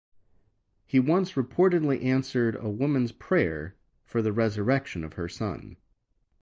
He once reportedly answered a woman's prayer for the resurrection of her son.